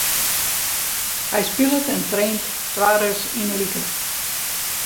Hja spilet en traint twaris yn de wike.